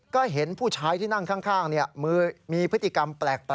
ก็เห็นผู้ชายที่นั่งข้างมีพฤติกรรมแปลก